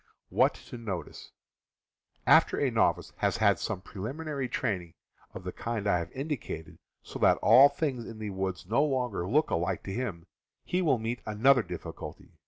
190 CAMPING AND WOODCRAFT After a novice has had some preliminary training of the kind I have indicated, so that all things in the ^, woods no longer look alike to him, he „. will meet another difficulty.